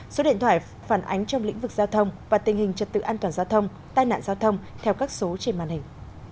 số điện thoại phản ánh trong lĩnh vực giao thông và tình hình trật tự an toàn giao thông tai nạn giao thông theo các số trên màn hình